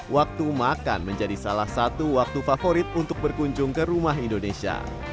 waktu makan menjadi salah satu waktu favorit untuk berkunjung ke rumah indonesia